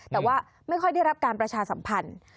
แต่ว่าไม่ค่อยได้รับการประชาสัมพันธ์